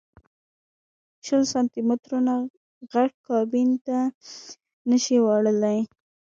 شل سانتي مترو نه غټ کابین ته نه شې وړلی.